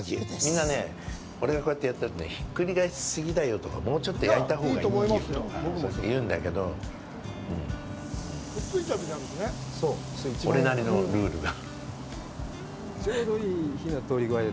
みんなね、俺がこうやってやってるとねひっくり返し過ぎだよとかもうちょっと焼いたほうがいいよとかそうやって言うんだけど俺なりのルールが。